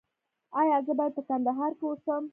ایا زه باید په کندهار کې اوسم؟